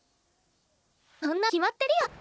そんなの決まってるよ。